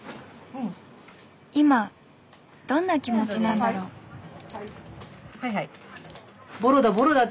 今どんな気持ちなんだろう？いいですか？